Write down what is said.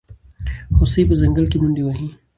هوسۍ په ځنګل کې منډې وهي.